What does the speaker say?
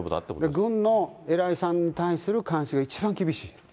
軍の偉いさんに対する監視が一番厳しい。